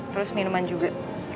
terus minuman juga